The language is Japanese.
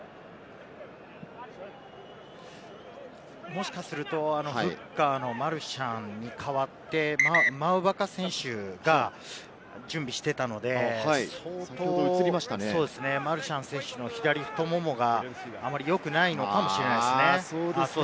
もしかするとフッカーのマルシャンに代わってモウヴァカ選手が準備していたので、マルシャン選手の左太ももがあまりよくないのかもしれないですね。